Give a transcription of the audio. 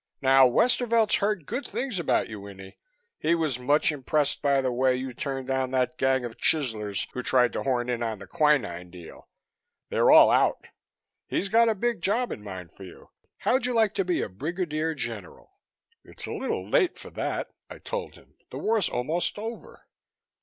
Now Westervelt's heard good things about you, Winnie. He was much impressed by the way you turned down that gang of chiselers who tried to horn in on the quinine deal. They're all out. He's got a big job in mind for you. How'd you like to be a Brigadier General?" "It's a little late for that," I told him. "The war's almost over."